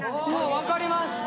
分かります！